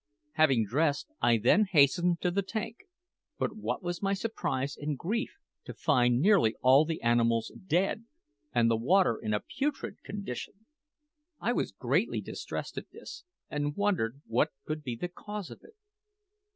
Having dressed, I then hastened to the tank; but what was my surprise and grief to find nearly all the animals dead, and the water in a putrid condition! I was greatly distressed at this, and wondered what could be the cause of it.